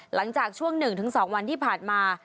หลังจากช่วง๑๒วันที่ผ่านมา